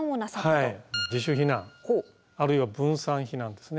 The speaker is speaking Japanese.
自主避難あるいは分散避難ですね。